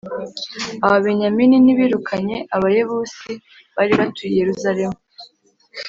ababenyamini ntibirukanye abayebusi bari batuye i yerusalemu